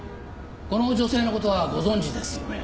この女性の事はご存じですよね？